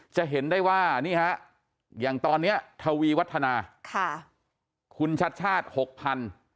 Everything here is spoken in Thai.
จะเห็นได้ว่านี่ฮะอย่างตอนนี้ทวีวัฒนาค่ะคุณชัดชาติหกพัน